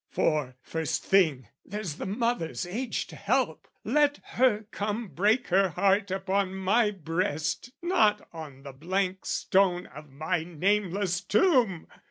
For, first thing, there's the mother's age to help Let her come break her heart upon my breast, Not on the blank stone of my nameless tomb!